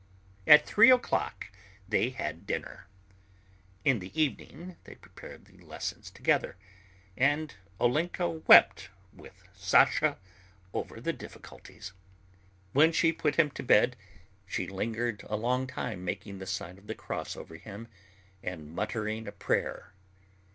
At three o'clock they had dinner. In the evening they prepared the lessons together, and Olenka wept with Sasha over the difficulties. When she put him to bed, she lingered a long time making the sign of the cross over him and muttering a prayer.